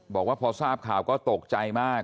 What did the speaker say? บอกว่าพอทราบข่าวก็ตกใจมาก